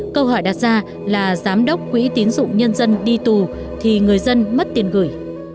câu hỏi đặt ra là giám đốc quỹ tín dụng nhân dân đi tù thì người dân mất tiền gửi